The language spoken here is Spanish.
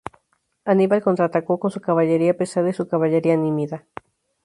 Aníbal contraatacó con su caballería pesada y su caballería númida.